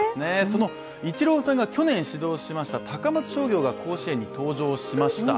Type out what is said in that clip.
そのイチローさんが去年指導しました高松商業が甲子園に登場しました。